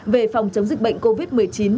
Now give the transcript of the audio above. về phòng chống dịch bệnh covid một mươi chín